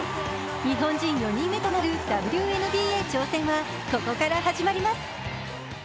日本人４人目となるＷＮＢＡ挑戦はここから始まります。